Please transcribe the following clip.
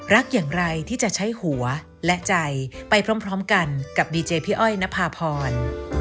โปรดติดตามตอนต่อไป